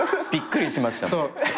びっくりしました。